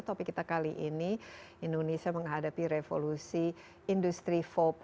topik kita kali ini indonesia menghadapi revolusi industri empat